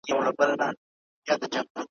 څوک به وي زَما همدمه